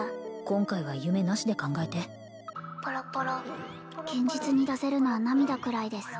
今回は夢なしで考えてポロポロ堅実に出せるのは涙くらいです